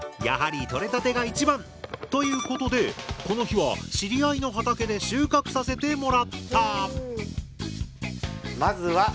やはり穫れたてが一番！ということでこの日は知り合いの畑で収穫させてもらった。